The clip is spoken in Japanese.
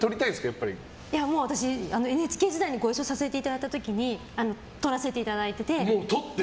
やっぱり私、ＮＨＫ時代にご一緒させていただいた時に撮らせていただいてて。